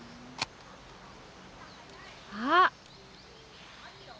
あっ。